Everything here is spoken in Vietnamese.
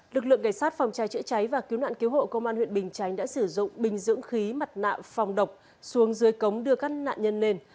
lực lượng cảnh sát phòng cháy chữa cháy và cứu nạn cứu hộ công an huyện bình chánh đã sử dụng bình dưỡng khí mặt nạ phòng độc xuống dưới cống đưa các nạn nhân lên